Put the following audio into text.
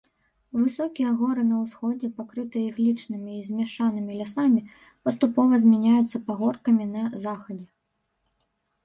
Высокія горы на ўсходзе, пакрытыя іглічнымі і змяшанымі лясамі, паступова змяняюцца пагоркамі на захадзе.